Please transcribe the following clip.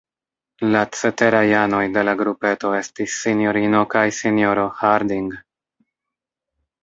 La ceteraj anoj de la grupeto estis sinjorino kaj sinjoro Harding.